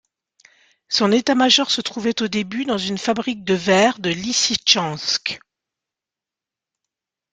Son état-major se trouvait au début dans une fabrique de verre de Lyssytchansk.